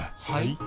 はい？